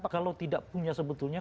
kalau tidak punya sebetulnya